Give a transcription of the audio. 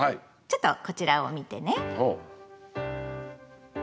ちょっとこちらを見てね。